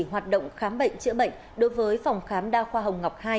hoạt động khám bệnh chữa bệnh đối với phòng khám đa khoa hồng ngọc hai